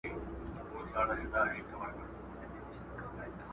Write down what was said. د کاغذ او رنګ معلومول ولې اسان کار دی؟